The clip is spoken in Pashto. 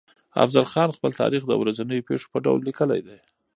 افضل خان خپل تاريخ د ورځنيو پېښو په ډول ليکلی دی.